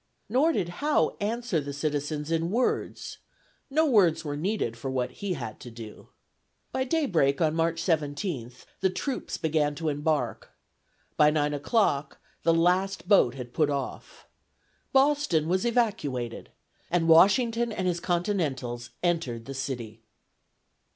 Nor did Howe answer the citizens in words; no words were needed for what he had to do. By daybreak on March 17th, the troops began to embark; by nine o'clock the last boat had put off. Boston was evacuated, and Washington and his Continentals entered the city.